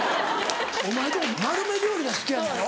お前んとこ丸め料理が好きやのやろ？